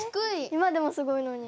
今でもすごいのに。